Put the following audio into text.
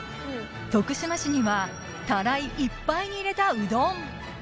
徳島市にはたらいいっぱいに入れたうどん